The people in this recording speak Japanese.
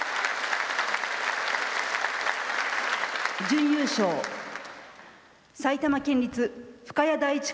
準優勝、埼玉県立深谷第一